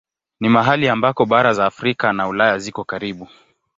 Ni mahali ambako bara za Afrika na Ulaya ziko karibu.